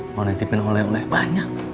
mau nitipin oleh oleh banyak